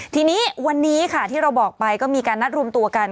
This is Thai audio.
ทีนี้วันนี้ค่ะที่เราบอกไปก็มีการนัดรวมตัวกัน